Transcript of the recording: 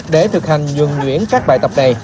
để thực hành nhuận luyến các bài tập này